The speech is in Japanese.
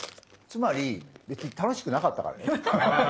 つまり別に楽しくなかったからだよね。